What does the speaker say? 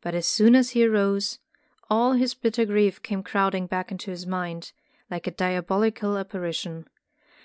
But as soon as he arose, all his bitter grief came crowding back into his mind like a diabolical ap parition.